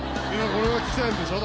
これが聴きたいんでしょ？